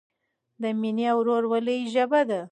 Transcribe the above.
د مینې او ورورولۍ ژبه ده.